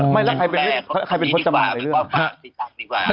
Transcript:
ไม่แล้วใครเป็นพจมานอะไรดีกว่า